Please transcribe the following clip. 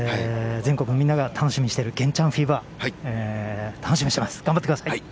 全国みんなが楽しみにしているゲンちゃんフィーバー楽しみにしてます。